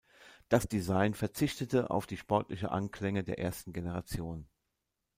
Das Design verzichtete auf die sportlichen Anklänge der ersten Generation.